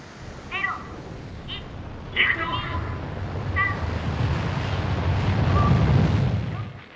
「３４５６」。